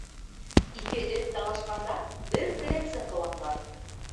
Ике эт талашҡанда бер теләнсе ҡыуанған.